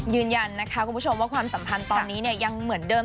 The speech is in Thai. ยืนยันนะคะคุณผู้ชมว่าความสัมพันธ์ตอนนี้เนี่ยยังเหมือนเดิม